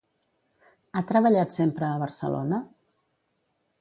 Ha treballat sempre a Barcelona?